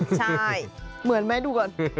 ใช่เหมือนไหมดูก่อน